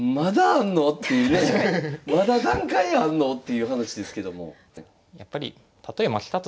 まだ何回あんの？っていう話ですけども。